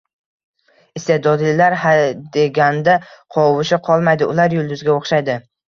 Iste’dodlilar hadeganda qovusha qolmaydi. Ular yulduzga o’xshaydi.